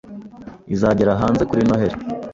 izagera hanze kuri Noheli,